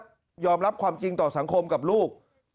และยอมรับความจริงต่อสังคมกับลูก